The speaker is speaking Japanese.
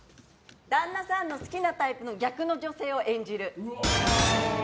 旦那さんの好きなタイプの逆の女性を演じる。